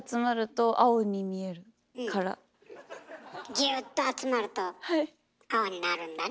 ギュっと集まると青になるんだね？